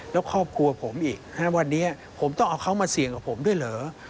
แล้วครอบครัวผมอีกวันนี้ผมต้องเอาเขามาเสี่ยงกับผมด้วยเหรอ